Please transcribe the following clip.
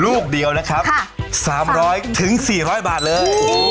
ลูกเดียวนะครับ๓๐๐๔๐๐บาทเลย